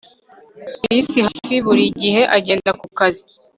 Chris hafi buri gihe agenda ku kazi